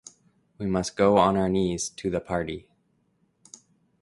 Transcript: We must go on our knees to the party.